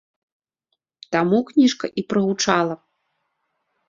Таму кніжка і прагучала!